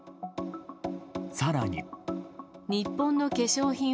更に。